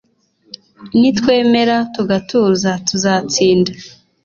nitwemera tugatuza tuzatsinda